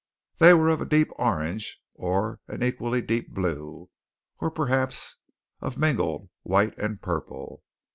They were of deep orange, or an equally deep blue, or, perhaps, of mingled white and purple.